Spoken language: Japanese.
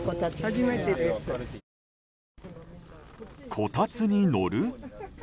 こたつに乗る？